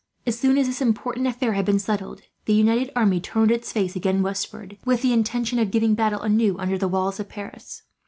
As soon as this important affair had been settled, the united army turned its face again westward; with the intention of giving battle, anew, under the walls of Paris.